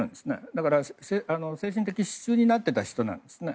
だから精神的支柱になっていた人なんですね。